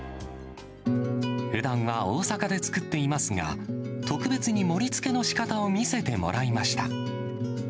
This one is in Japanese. ふだんは大阪で作っていますが、特別に盛りつけのしかたを見せてもらいました。